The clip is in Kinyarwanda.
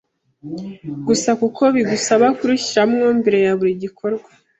Gusa kuko bigusaba kurushyiramo mbere ya buri gikorwa,